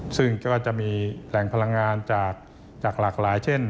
ซึ่งก็จะมีแหล่งพลังงานจากหลากหลายเช่น